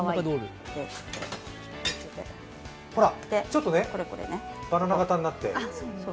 ちょっとバナナ型になって。